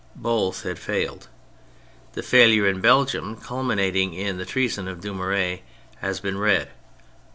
Both had failed. The failure in Belgium, culminating in the treason of Dumouriez, has been read.